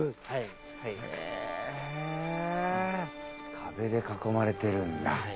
壁で囲まれてるんだ。